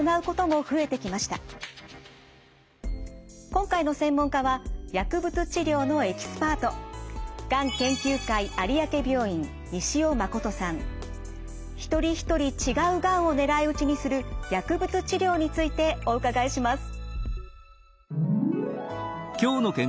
今回の専門家は薬物治療のエキスパート一人一人違うがんを狙い撃ちにする薬物治療についてお伺いします。